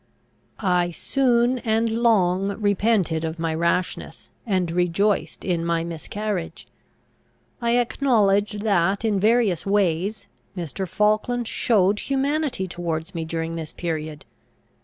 "I soon, and long, repented of my rashness, and rejoiced in my miscarriage. "I acknowledge that, in various ways, Mr. Falkland showed humanity towards me during this period.